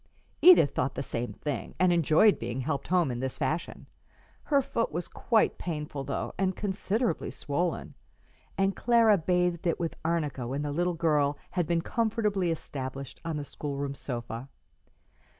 Edith thought the same thing, and enjoyed being helped home in this fashion. Her foot was quite painful, though, and considerably swollen; and Clara bathed it with arnica when the little girl had been comfortably established on the schoolroom sofa.